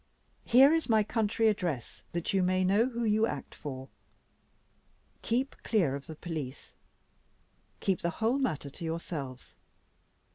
Here is my country address, that you may know who you act for. Keep clear of the Police. Keep the whole matter to yourselves.